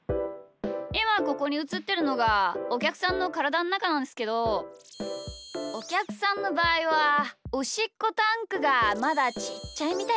いまここにうつってるのがおきゃくさんのからだのなかなんすけどおきゃくさんのばあいはおしっこタンクがまだちっちゃいみたいっすね。